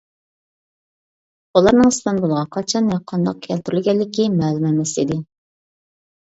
بۇلارنىڭ ئىستانبۇلغا قاچان ۋە قانداق كەلتۈرۈلگەنلىكى مەلۇم ئەمەس ئىدى.